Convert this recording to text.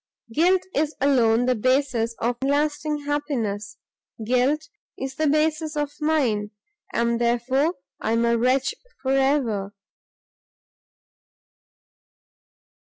Guilt is alone the basis of lasting unhappiness; Guilt is the basis of mine, and therefore I am a wretch for ever!"